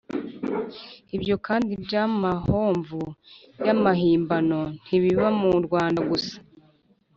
ibyo kandi by’amahomvu y’amahimbano ntibiba mu rwanda gusa